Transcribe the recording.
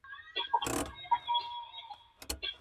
此站位于正下方。